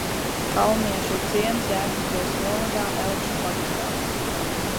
Kalnieši ir ciems Jēkabpils novada Elkšņu pagastā.